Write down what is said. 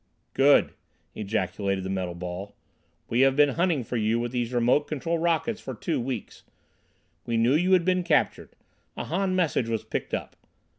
"Good!" ejaculated the metal ball. "We have been hunting for you with these remote control rockets for two weeks. We knew you had been captured. A Han message was picked up.